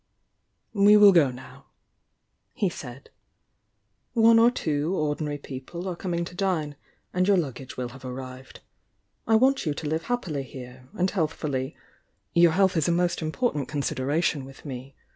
"We wUl go now," he said. "One or two ordinary people are coming to dine— and your luggage wil have arrived. I want you to live happily here, antl healthfully— your health is a most important con sideration with me.